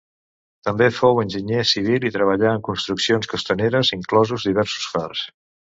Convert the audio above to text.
També fou enginyer civil i treballà en construccions costaneres, inclosos diversos fars.